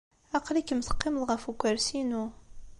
Aql-ikem teqqimeḍ ɣef ukersi-inu.